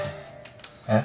えっ？